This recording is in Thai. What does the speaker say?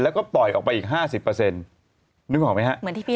แล้วก็ต่อยออกไปอีก๕๐เปอร์เซ็นต์นึกออกไหมครับเหมือนที่พี่